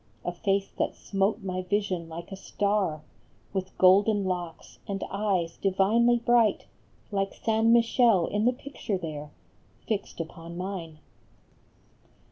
A face that smote my vision like a star ; With golden locks, and eyes divinely bright Like San Michele in the picture there Fixed upon mine.